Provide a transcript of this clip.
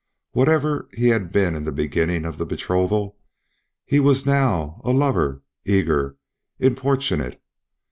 Whatever he had been in the beginning of the betrothal, he was now a lover, eager, importunate.